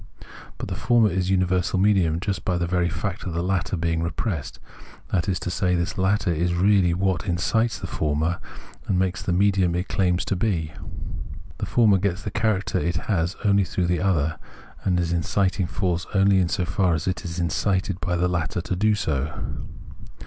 But the former is uni versal medium just by the very fact of the latter being repressed : that is to say, this latter is really what in cites the former, and makes it the medium it claims to be. The former gets the character it has only through the other, and is an inciting force only so far as it is incited by the latter to be so.